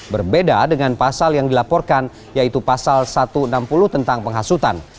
berbeda dengan pasal yang dilaporkan yaitu pasal satu ratus enam puluh tentang penghasutan